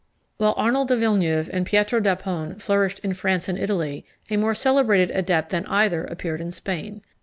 ] While Arnold de Villeneuve and Pietro d'Apone flourished in France and Italy, a more celebrated adept than either appeared in Spain.